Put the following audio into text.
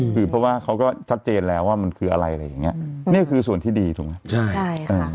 คือเพราะว่าเขาก็ชัดเจนแล้วว่ามันคืออะไรอะไรอย่างเงี้ยนี่คือส่วนที่ดีถูกไหมใช่ค่ะ